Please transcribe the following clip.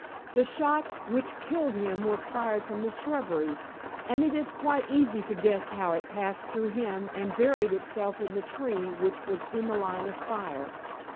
The shot which killed him was fired from the shrubbery, and, it is quite easy to guess how it passed through him and buried itself in the tree which was in the line of fire."